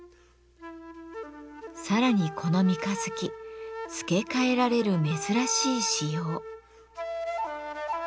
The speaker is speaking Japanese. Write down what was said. さらにこの三日月付け替えられる珍しい仕様。